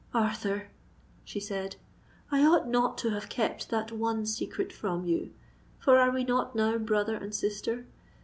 "Arthur," she said, "I ought not to have kept that one secret from you—for are we not now brother and sister?